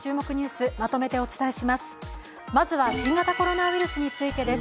まずは、新型コロナウイルスについてです。